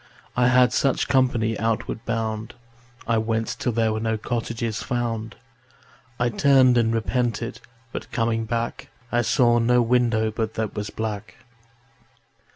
I had such company outward bound. I went till there were no cottages found. I turned and repented, but coming back I saw no window but that was black.